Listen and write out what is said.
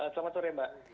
selamat sore mbak